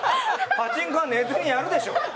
パチンコは寝ずにやるでしょ。